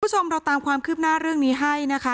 คุณผู้ชมเราตามความคืบหน้าเรื่องนี้ให้นะคะ